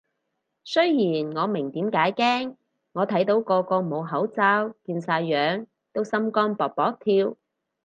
雖然我明點解驚，我睇到個個冇口罩見晒樣都心肝卜卜跳